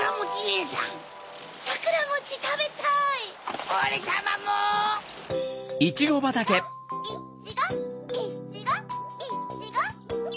いちごいちごいちごいちご。